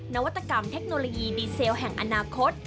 นวัตกรรมเทคโนโลยีดีเซลแห่งอนาคต